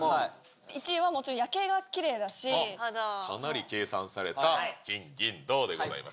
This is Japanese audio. １位はもちろん夜景がきれいかなり計算された金銀銅でございます。